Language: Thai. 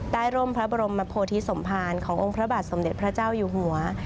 ร่มพระบรมโพธิสมภารขององค์พระบาทสมเด็จพระเจ้าอยู่หัว